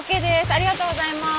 ありがとうございます。